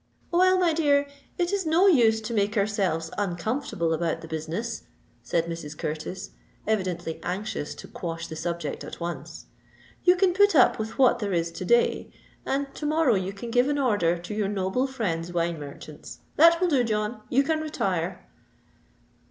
"Well, my dear—it is no use to make ourselves uncomfortable about the business," said Mrs. Curtis, evidently anxious to quash the subject at once. "You can put up with what there is to day; and to morrow you can give an order to your noble friend's wine merchants. That will do, John—you can retire."